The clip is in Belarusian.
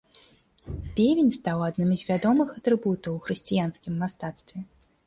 Певень стаў адным з вядомых атрыбутаў у хрысціянскім мастацтве.